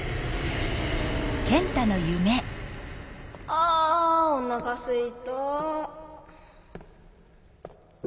あおなかすいた。